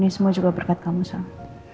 semua juga berkat kamu sang